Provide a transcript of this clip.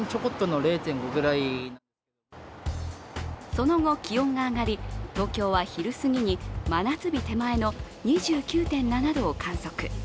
その後、気温が上がり、東京は昼過ぎに真夏日手前の２９．７度を観測。